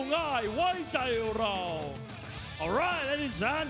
ตอนนี้มวยกู้ที่๓ของรายการ